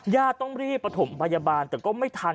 ญาติต้องรีบประถมพยาบาลแต่ก็ไม่ทัน